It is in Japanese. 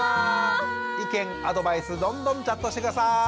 意見アドバイスどんどんチャットして下さい！